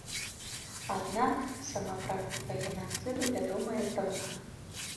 Аднак, сама практыка генацыду вядомая здаўна.